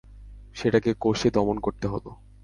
সেটাকে কষে দমন করতে হল।